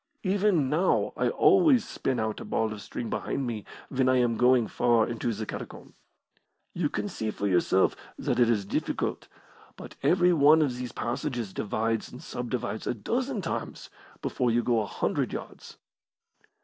Even now I always spin out a ball of string behind me when I am going far into the catacomb. You can see for yourself that it is difficult, but every one of these passages divides and subdivides a dozen times before you go a hundred yards."